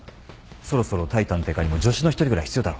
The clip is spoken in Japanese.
そろそろ対探偵課にも助手の一人ぐらい必要だろ。